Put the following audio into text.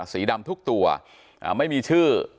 สีดำทุกตัวไม่มีชื่อ